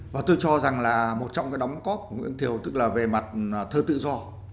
và tôi cho rằng là một trong cái đóng góp của nguyễn thiều tức là về mặt thơ tự do